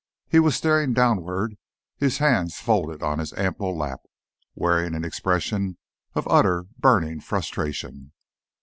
He was staring downward, his hands folded on his ample lap, wearing an expression of utter, burning frustration.